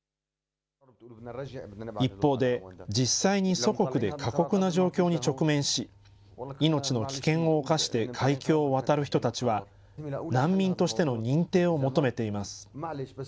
一方で、実際に祖国で過酷な状況に直面し、命の危険を冒して海峡を渡る人たちは、難民としての認定を求めています。